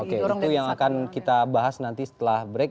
oke itu yang akan kita bahas nanti setelah break